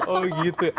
oh gitu ya